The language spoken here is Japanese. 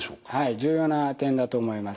重要な点だと思います。